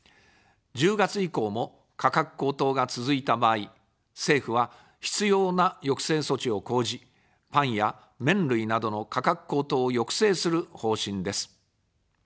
１０月以降も、価格高騰が続いた場合、政府は必要な抑制措置を講じ、パンや麺類などの価格高騰を抑制する方針です。